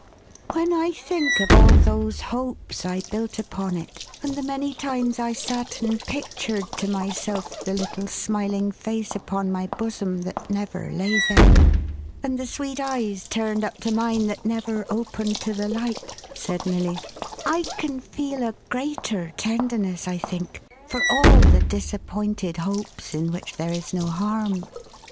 " When I think of all those hopes I built upon it, and the many times I sat and pictured to myself the little smiling face upon my bosom that never lay there, and the sweet eyes turned up to mine that never opened to the light," said Milly, " I can feel a greater tenderness, I think, for all the disappointed hopes in which there is no harm.